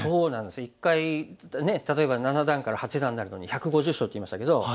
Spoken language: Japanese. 一回例えば七段から八段になるのに１５０勝と言いましたけど。